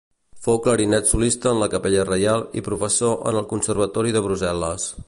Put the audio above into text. Fou clarinet solista de la Capella reial i professor en el Conservatori de Brussel·les.